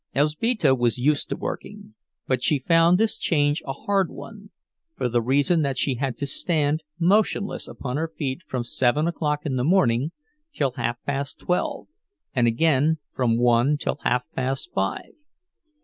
Elzbieta was used to working, but she found this change a hard one, for the reason that she had to stand motionless upon her feet from seven o'clock in the morning till half past twelve, and again from one till half past five.